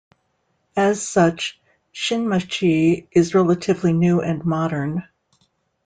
As such, Shinmachi is relatively new and modern.